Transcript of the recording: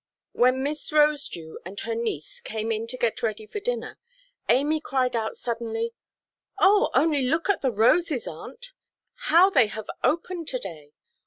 When Miss Rosedew and her niece came in to get ready for dinner, Amy cried out suddenly, "Oh, only look at the roses, aunt; how they have opened to–day!